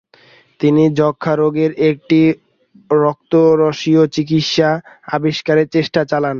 তিনি যক্ষারোগের একটি রক্তরসীয় চিকিৎসা আবিষ্কারের চেষ্টা চালান।